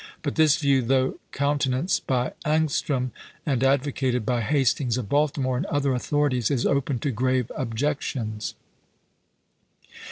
But this view, though countenanced by Ångström, and advocated by Hastings of Baltimore, and other authorities, is open to grave objections.